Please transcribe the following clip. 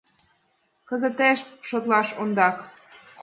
Кызытеш шотлаш ондак.